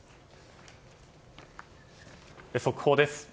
速報です。